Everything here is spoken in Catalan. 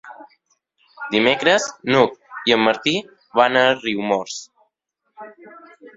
Dimecres n'Hug i en Martí van a Riumors.